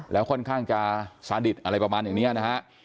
แล้วค่อนข้างจะสนิทอะไรประมาณอย่างนี้นะฮะ